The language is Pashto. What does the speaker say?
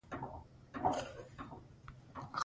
د سانسور په وجه پېژندنې امکان نه دی برابر شوی.